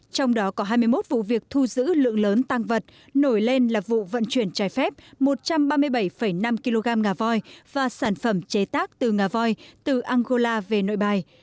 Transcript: trong đó có hai mươi một vụ việc thu giữ lượng lớn tăng vật nổi lên là vụ vận chuyển trái phép một trăm ba mươi bảy năm kg ngà voi và sản phẩm chế tác từ ngà voi từ angola về nội bài